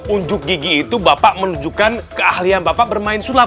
unjuk gigi itu bapak menunjukkan keahlian bapak bermain sulap